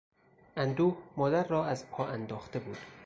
اندوه، مادر را از پا انداخته بود.